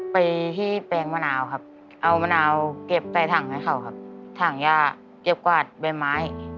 ไปที่แปลงมะนาวครับเอามะนาวเก็บใส่ถังให้เขาครับถังย่าเก็บกวาดใบไม้